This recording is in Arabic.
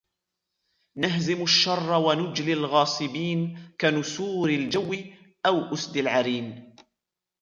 نهزم الشرَّ ونجلي الغاصبين كنسورٍ الجوِّ أو أُسْد العرين